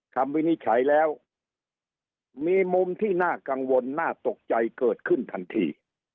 วินิจฉัยแล้วมีมุมที่น่ากังวลน่าตกใจเกิดขึ้นทันที